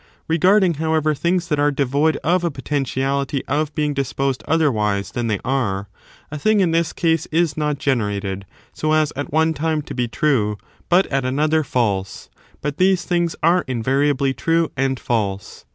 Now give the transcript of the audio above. Regarding, however, things that are devoid of a potentiality of being disposed otherwise than they are, a thing in this case is not generated so as at one time to be true, but at another &lse ; but these things are invariably true and in the ^^^ false.